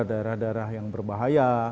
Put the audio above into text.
daerah daerah yang berbahaya